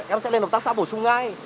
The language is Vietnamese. em sẽ lên lập tác xã phổ sung ngay